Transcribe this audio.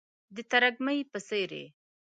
د ترږمۍ په څیرې،